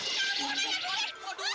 ini sepatu pasti